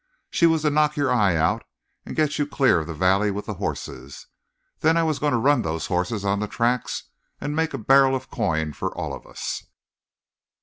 She was to knock your eye out and get you clear of the valley with the horses. Then I was going to run those horses on the tracks and make a barrel of coin for all of us.